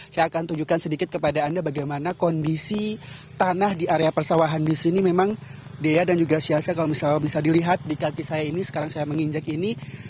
saya akan tunjukkan sedikit kepada anda bagaimana kondisi tanah di area persawahan di sini memang dea dan juga siasa kalau misalnya bisa dilihat di kaki saya ini sekarang saya menginjak ini